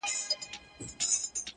زړگى مي غواړي چي دي خپل كړمه زه